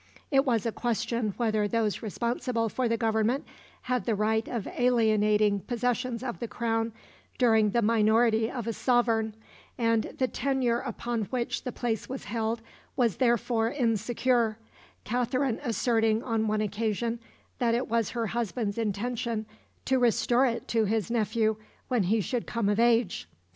It was a question whether those responsible for the government had the right of alienating possessions of the Crown during the minority of a sovereign, and the tenure upon which the place was held was therefore insecure, Katherine asserting on one occasion that it was her husband's intention to restore it to his nephew when he should come of age.